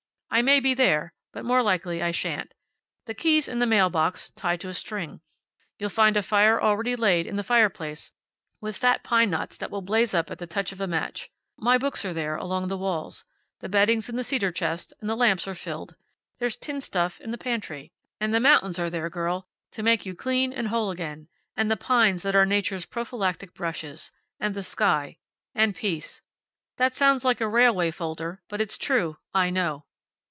I may be there, but more likely I shan't. The key's in the mail box, tied to a string. You'll find a fire already laid, in the fireplace, with fat pine knots that will blaze up at the touch of a match. My books are there, along the walls. The bedding's in the cedar chest, and the lamps are filled. There's tinned stuff in the pantry. And the mountains are there, girl, to make you clean and whole again. And the pines that are nature's prophylactic brushes. And the sky. And peace. That sounds like a railway folder, but it's true. I know."